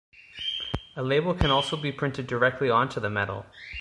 A label can also be printed directly onto the metal.